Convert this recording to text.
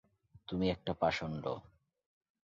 তুমি একটা পাষণ্ড!